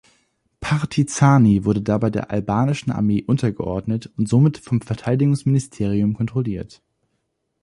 Partizani wurde dabei der albanischen Armee untergeordnet und somit vom Verteidigungsministerium kontrolliert.